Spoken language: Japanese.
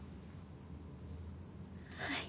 はい。